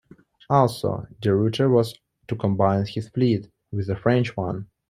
Also, De Ruyter was to combine his fleet with the French one.